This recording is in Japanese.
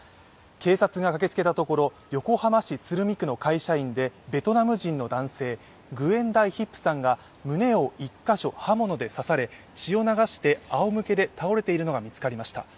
警察が駆けつけたところ横浜市鶴見区の会社員でベトナム人の男性グエン・ダイ・ヒップさんが胸を１か所、刃物で刺され血を流してあおむけで倒れているのが見つかりました。